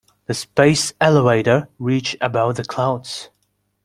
The space elevator reached above the clouds.